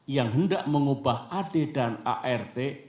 yang hendak mengubah ad dan art